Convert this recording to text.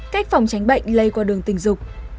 cách phòng tránh bệnh lây qua đường tình dục